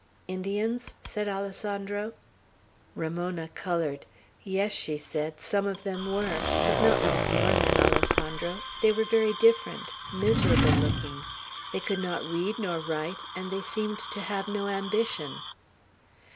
"Indians?" said Alessandro. Ramona colored. "Yes," she said, "some of them were, but not like your men, Alessandro. They were very different; miserable looking; they could not read nor write, and they seemed to have no ambition."